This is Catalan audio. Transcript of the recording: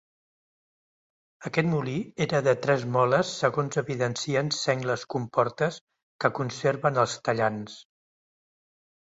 Aquest molí era de tres moles segons evidencien sengles comportes que conserven els tallants.